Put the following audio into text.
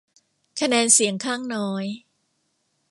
คะแนนเสียงข้างน้อย